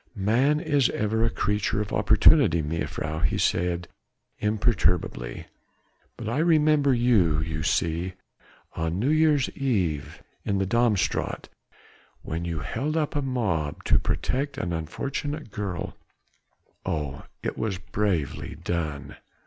"Man is ever a creature of opportunity, mejuffrouw," he said imperturbably. "But I remembered you you see on New Year's Eve in the Dam Straat when you held up a mob to protect an unfortunate girl; oh! it was bravely done!"